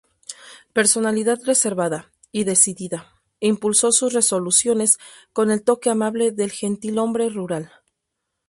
Personalidad reservada y decidida, impulsó sus resoluciones con el toque amable del gentilhombre rural.